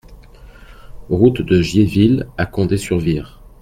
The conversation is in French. Route de Giéville à Condé-sur-Vire